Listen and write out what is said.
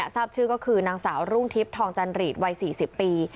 ทราบชื่อก็คือนางสาวรุ่งทิพย์ทองจันหรีดวัย๔๐ปี